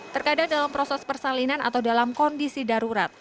terkadang dalam proses persalinan atau dalam kondisi darurat